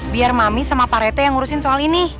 biar mami sama pak rete yang ngurusin soal ini